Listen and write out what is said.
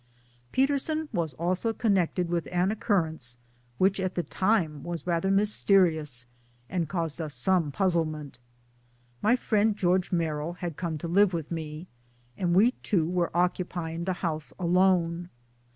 Peterson was also connected with an occurrence which at the time was rather mysterious, and caused us some puzzlement. My friend George Merrill had come to live with me, and we two were occupying the house alone.